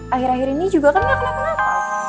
akhir akhir ini juga kan gak kena kenapa